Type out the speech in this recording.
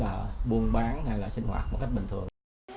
và có thể là buôn bán hay là sinh hoạt một cách bình thường